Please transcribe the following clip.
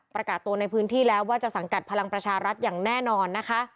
ประกาศตัวในพื้นที่แล้วว่าจะสังกัดพลังประชารัฐอย่างแน่นอนนะคะ